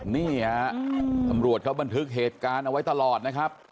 นี่ฮะตำรวจเขาบันทึกเหตุการณ์เอาไว้ตลอดนะครับ